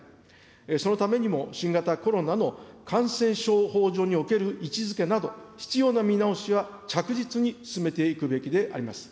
そのためにも、新型コロナの感染症法上における位置づけなど、必要な見直しは着実に進めていくべきであります。